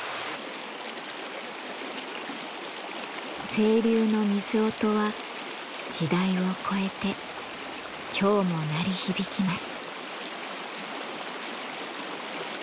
清流の水音は時代を超えて今日も鳴り響きます。